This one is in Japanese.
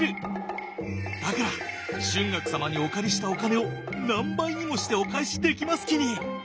だから春嶽様にお借りしたお金を何倍にもしてお返しできますきに。